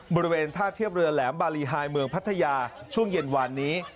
บริเวณท่าเทียบเรือแหลมบารีไฮเมืองพัทยาช่วงเย็นวานนี้